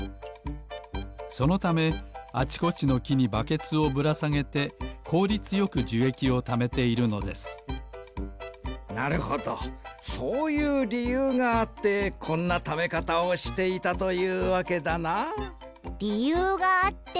そのためあちこちのきにバケツをぶらさげてこうりつよくじゅえきをためているのですなるほどそういうりゆうがあってこんなためかたをしていたというわけだな。